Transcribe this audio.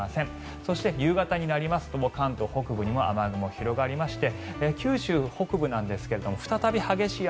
そして、夕方になりますと関東北部にも雨雲が広がりまして九州北部なんですが再び激しい雨